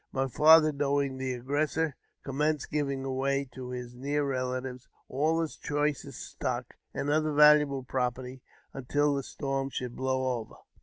My father, knowing the aggressor, commenced giving away to his near relatives all his choicest stock and other valuable property, until the storm should blow over.